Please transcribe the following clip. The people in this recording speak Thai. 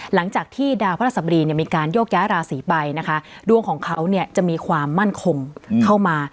หลังจากที่ดาวพระราชสบดีมีการโยกย้ายราศีไปนะคะดวงของเขาเนี่ยจะมีความมั่นคงเข้ามา